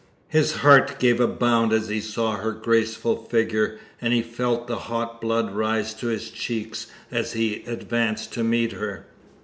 His heart gave a bound as he saw her graceful figure, and he felt the hot blood rise to his cheeks as he advanced to meet her.